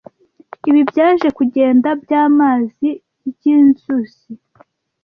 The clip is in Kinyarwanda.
ibi byaje kugenda byamazi byinzuzi.